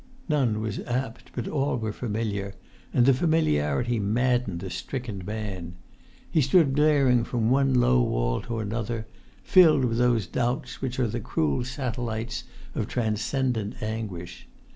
None was apt, but all were familiar, and the familiarity maddened the stricken man. He stood glaring from one low wall to another, filled with those doubts which are the cruel satellites of transcendent anguish.